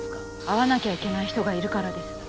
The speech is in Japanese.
会わなきゃいけない人がいるからです。